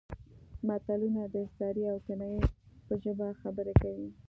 متلونه د استعارې او کنایې په ژبه خبرې کوي